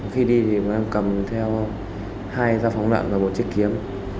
khi đi thì em cầm theo hai dao phóng nặng và một chiếc kiếm